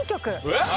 えっ！？